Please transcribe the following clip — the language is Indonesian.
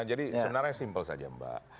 nah jadi sebenarnya simpel saja mbak